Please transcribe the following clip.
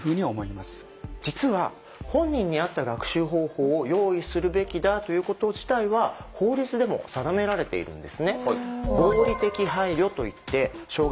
実は本人に合った学習方法を用意するべきだということ自体は法律でも定められているんですね。